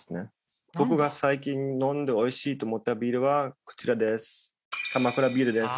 僕が最近飲んで美味しいと思ったビールはこちらです。